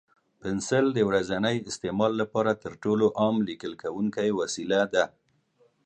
پنسل د ورځني استعمال لپاره تر ټولو عام لیکل کوونکی وسیله ده.